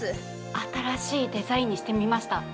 新しいデザインにしてみました。